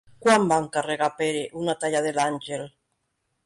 Quan va encarregar Pere una talla de l'àngel?